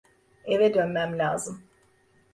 Eve dönmem lazım.